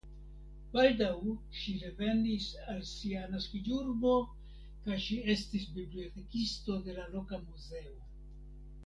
Baldaŭ ŝi revenis al sia naskiĝurbo kaj ŝi estis bibliotekisto de la loka muzeo.